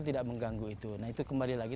tidak mengganggu itu nah itu kembali lagi